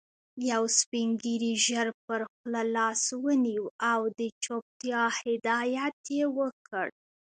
يو سپين ږيري ژر پر خوله لاس ونيو او د چوپتيا هدایت يې وکړ.